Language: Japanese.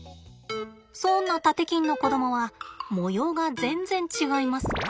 そんなタテキンの子どもは模様が全然違います。